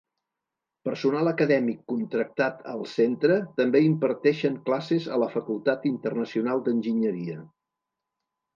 Personal acadèmic contractat al centre també imparteixen classes a la Facultat Internacional d'Enginyeria.